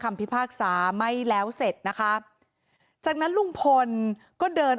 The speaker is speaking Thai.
พิพากษาไม่แล้วเสร็จนะคะจากนั้นลุงพลก็เดิน